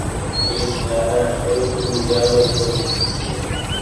ايڪ لآڏآ هيتو او جآرو هيتو